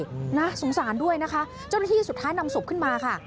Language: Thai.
ใช่สงสารด้วยนะคะจนที่สุดท้ายนำศพขึ้นมาค่ะ